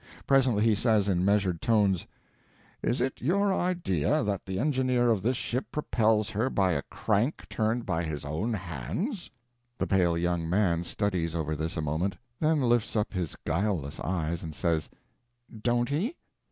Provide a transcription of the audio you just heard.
Presently he says in measured tones, "Is it your idea that the engineer of this ship propels her by a crank turned by his own hands?" The pale young man studies over this a moment, then lifts up his guileless eyes, and says, "Don't he?"